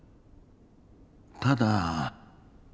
ただ。